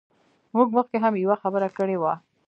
موږ مخکې هم یوه خبره کړې وه.